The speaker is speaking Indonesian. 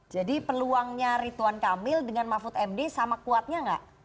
jadi peluangnya ridwan kamil dengan mahfud md sama kuatnya gak